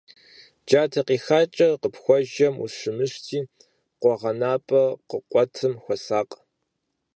Джатэ къихакӀэ къыпхуэжэм ущымыщти, къуэгъэнапӀэм къыкъуэтым хуэсакъ.